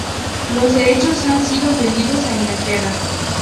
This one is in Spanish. Los derechos han sido vendidos a Inglaterra.